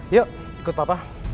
yuk ikut papa